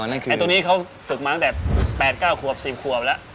ไอ้ตรงนี้เขาฝึกมาตั้งแต่๘๙ขวบ๑๐ขวบแล้ว